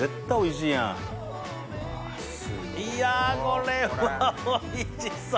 いやこれはおいしそう！